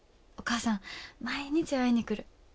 お母さん毎日会いに来る。